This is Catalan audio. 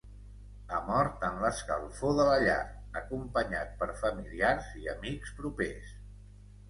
Ha mort en l’escalfor de la llar, acompanyat per familiars i amics propers.